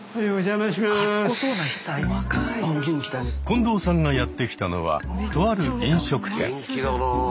近藤さんがやって来たのはとある飲食店。